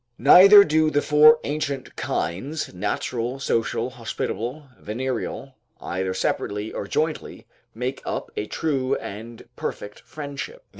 Neither do the four ancient kinds, natural, social, hospitable, venereal, either separately or jointly, make up a true and perfect friendship.